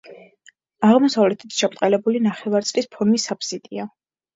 აღმოსავლეთით შებრტყელებული ნახევარწრის ფორმის აფსიდია.